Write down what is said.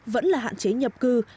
vẫn là hạn chế nhập cư